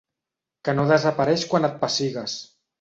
Que no desapareix quan et pessigues.